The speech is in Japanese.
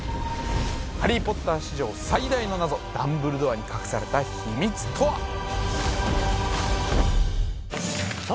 「ハリー・ポッター」史上最大の謎ダンブルドアに隠された秘密とは？